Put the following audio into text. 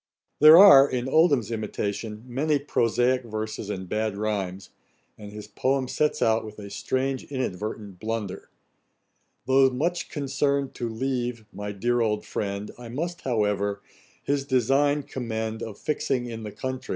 There are, in Oldham's imitation, many prosaick verses and bad rhymes, and his poem sets out with a strange inadvertent blunder: 'Tho' much concern'd to leave my dear old friend, I must, however, his design commend Of fixing in the country